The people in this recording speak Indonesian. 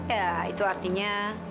ya itu artinya